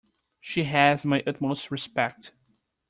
She has my utmost respect.